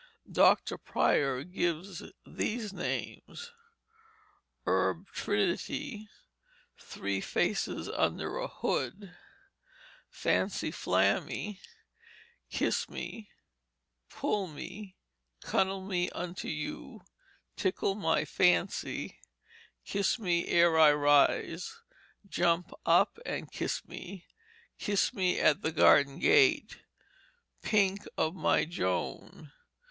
Dr. Prior gives these names "Herb Trinity, Three Faces under a Hood, Fancy Flamy, Kiss Me, Pull Me, Cuddle Me unto You, Tickle my Fancy, Kiss Me ere I Rise, Jump Up and Kiss Me, Kiss Me at the Garden Gate, Pink of my Joan."